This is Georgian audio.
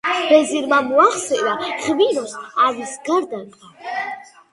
ვეზირმა მოახსენა: ღვინოს, ავის გარდა, კა